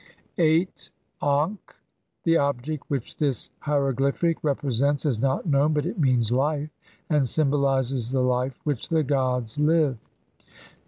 8. j ankh The object which this hiero glyphic represents is not known, but it means "life", and symbolizes the life which the gods live.